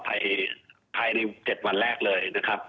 ภายใน๗วันแรกเลยนะครับ